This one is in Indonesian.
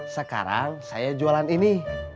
sekarang saya jualan ini